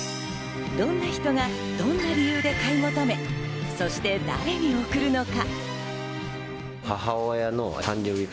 どんな人がどんな理由で買い求め、そして誰に贈るのか？